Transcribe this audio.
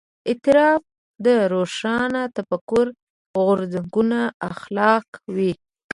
اعتراف د روښانفکره غورځنګونو اخلاق وي.